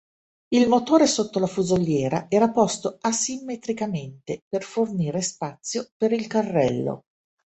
Il motore sotto la fusoliera era posto asimmetricamente per fornire spazio per il carrello.